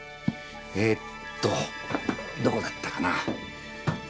えっとどこだったかな？